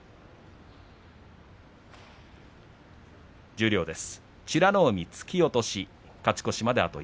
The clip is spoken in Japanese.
十両です。